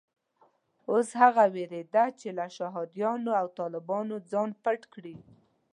اوس هغه وېرېده چې له شهادیانو او طالبانو ځان پټ کړي.